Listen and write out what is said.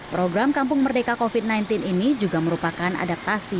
program kampung merdeka covid sembilan belas ini juga merupakan adaptasi